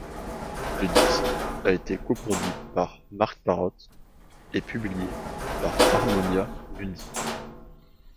Le disque a été coproduit par Marc Parrot, et publié par Harmonia Mundi.